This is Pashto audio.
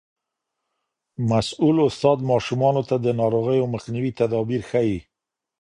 مسؤول استاد ماشومانو ته د ناروغیو مخنیوي تدابیر ښيي.